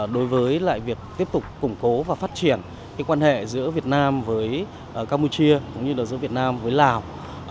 đối với việc tiếp tục củng cố và phát triển quan hệ giữa việt nam với campuchia giữa việt nam với lào